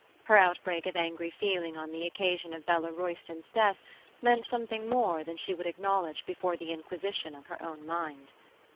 Her outbreak of angry feeling on the occasion of Bella Royston's death meant something more than she would acknowledge before the inquisition of her own mind.